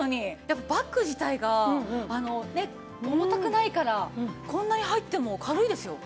やっぱバッグ自体が重たくないからこんなに入っても軽いですよ。